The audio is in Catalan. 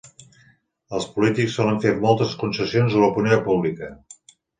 Els polítics solen fer moltes concessions a l'opinió pública.